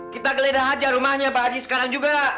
kita geledah aja rumahnya pak haji sekarang juga